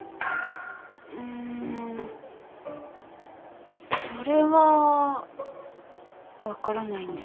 んそれは分からないんですけど。